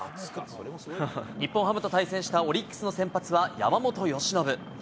日本ハムと対戦したオリックスの先発は山本由伸。